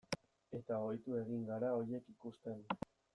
Eta ohitu egin gara horiek ikusten.